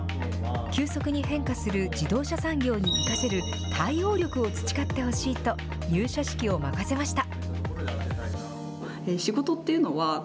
急速に変化する自動車産業に生かせる対応力を培ってほしいと、入社式を任せました。